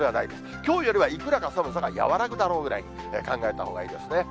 きょうよりはいくらか寒さが和らぐだろうぐらいに考えたほうがいいですね。